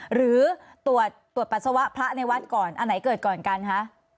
หรือตรวจตรวจปัสสาวะพระในวัดก่อนอันไหนเกิดก่อนกันคะ